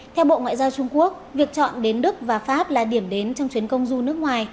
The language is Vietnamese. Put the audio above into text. theo bộ ngoại giao trung quốc việc chọn đến đức và pháp là điểm đến trong chuyến công du nước ngoài